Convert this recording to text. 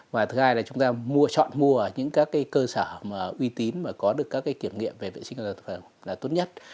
và thứ hai là chúng ta mua chọn mua ở những các cái cơ sở mà uy tín mà có được các cái kiểm nghiệm về vệ sinh là tốt nhất